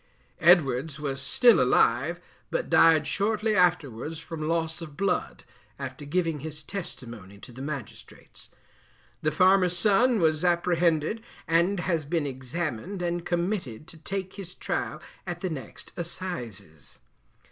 Edwards was still alive, but died shortly afterwards from loss of blood, after giving his testimony to the magistrates. The farmer's son was apprehended, and has been examined and committed to take his trial at the next Assizes.